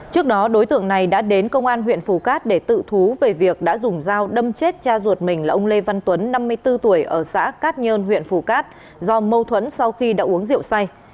trước đó đối tượng này đã đến công an huyện phù cát để tự thú về việc đã dùng dao đâm chết cha ruột mình là ông lê văn tuấn năm mươi bốn tuổi ở xã cát nhơn huyện phù cát do mâu thuẫn sau khi đã uống rượu say